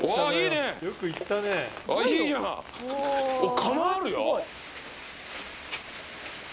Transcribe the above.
窯あるよ。